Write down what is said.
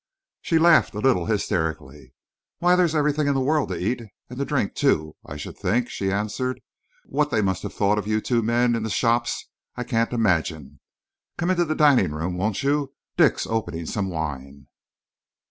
She laughed a little hysterically. "Why, there's everything in the world to eat, and to drink, too, I should think," she answered. "What they must have thought of you two men in the shops, I can't imagine! Come into the dining room, won't you? Dick's opening some wine."